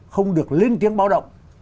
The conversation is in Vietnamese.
không được lên tiếng báo động